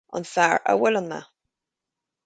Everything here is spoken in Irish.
An fear a bhuaileann mé.